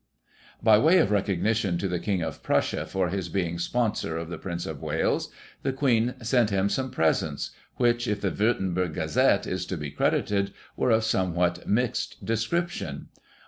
By way of recognition to the King of Prussia for his being sponsor of the Prince of Wales, the Queen sent him some presents, which, if the Wurtzburg Gazette is to be credited, were of somewhat mixed description, i.